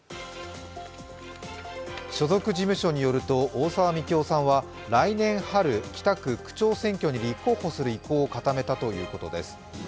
所属事務所によると大沢樹生さんは来年春、北区区長選挙に立候補する意向を固めたということです。